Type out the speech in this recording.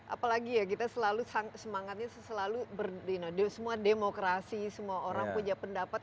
apalagi ya kita semangatnya selalu berdemokrasi semua orang punya pendapat